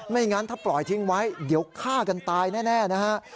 งั้นถ้าปล่อยทิ้งไว้เดี๋ยวฆ่ากันตายแน่นะฮะ